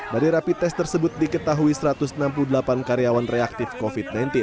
dari rapi tes tersebut diketahui satu ratus enam puluh delapan karyawan reaktif covid sembilan belas